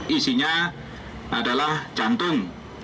isinya adalah jantung